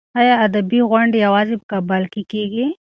ایا ادبي غونډې یوازې په کابل کې کېږي؟